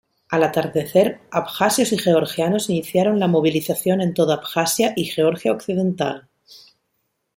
Al atardecer, abjasios y georgianos iniciaron la movilización en toda Abjasia y Georgia occidental.